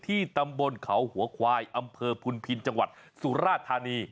ตำบลเขาหัวควายอำเภอพุนพินจังหวัดสุราธานี